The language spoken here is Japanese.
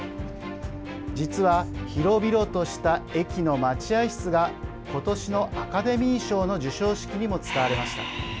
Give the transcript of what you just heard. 実は広々とした駅の待合室がことしのアカデミー賞の授賞式にも使われました。